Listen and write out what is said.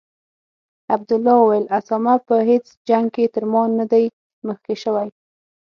عبدالله وویل: اسامه په هیڅ جنګ کې تر ما نه دی مخکې شوی.